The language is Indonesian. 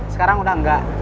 sekarang udah enggak